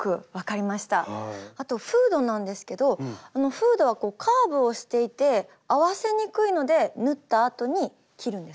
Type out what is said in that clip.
あとフードなんですけどフードはこうカーブをしていて合わせにくいので縫ったあとに切るんですか？